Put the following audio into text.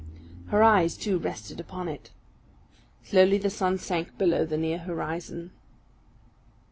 Her eyes, too, rested upon it. Slowly the sun sank below the near horizon.